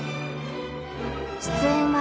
出演は